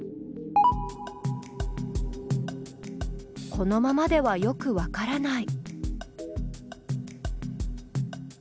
このままではよくわからない。